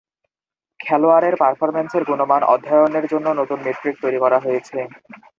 খেলোয়াড়ের পারফরম্যান্সের গুণমান অধ্যয়নের জন্য নতুন মেট্রিক তৈরি করা হয়েছে।